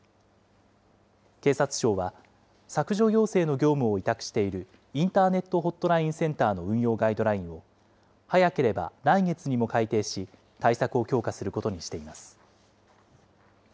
警察庁は、削除要請の業務を委託しているインターネット・ホットラインセンターの運用ガイドラインを早ければ来月にも改定し、対策を強化することにしています。